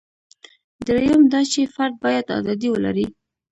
درېیم دا چې فرد باید ازادي ولري.